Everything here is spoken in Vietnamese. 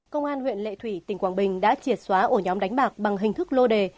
công an huyện lệ thủy tỉnh quảng bình đã triệt xóa ổ nhóm đánh bạc bằng hình thức lô đề